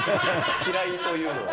嫌いというのは？